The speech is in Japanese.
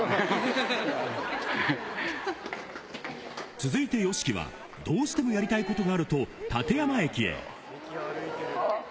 続いてＹＯＳＨＩＫＩは、どうしてもやりたいことがあると館山駅へ。